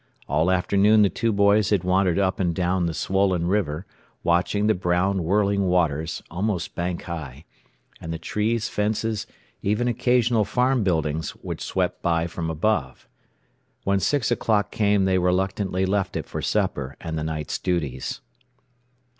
All afternoon the two boys had wandered up and down the swollen river, watching the brown whirling waters, almost bank high, and the trees, fences, even occasional farm buildings, which swept by from above. When six o'clock came they reluctantly left it for supper, and the night's duties.